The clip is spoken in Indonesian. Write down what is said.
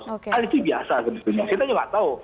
hal itu biasa kita juga tidak tahu